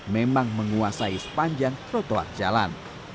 memang menguasai sepanjang trotoar jalan